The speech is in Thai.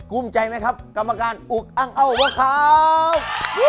กลุ่มใจไหมครับกรรมการอุ๊กอ้างอ้าวบ้างครับ